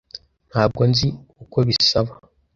Ntabwo nzi uko bisaba.